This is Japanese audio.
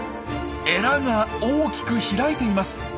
エラが大きく開いています。